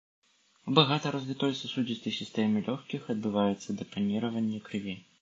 У багата развітой сасудзістай сістэме лёгкіх адбываецца дэпаніраванне крыві.